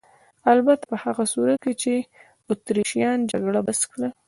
البته په هغه صورت کې چې اتریشیان جګړه بس کړي.